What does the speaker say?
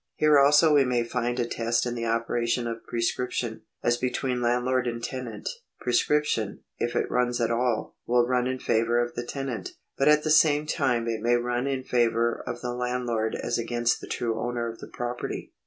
Here also we may find a test in the operation of prescription. As between landlord and tenant, prescription, if it runs at all, will run in favour of the tenant ; but at the same time it may run in favour of the landlord as against the true owner of the property.